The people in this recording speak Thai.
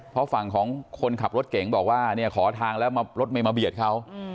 เพราะฝั่งของคนขับรถเก่งบอกว่าเนี่ยขอทางแล้วรถไม่มาเบียดเขา